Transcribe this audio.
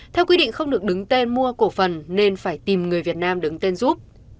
theo quy định không được đứng tên mua cổ phần nên phải tìm người việt nam đứng tên giúp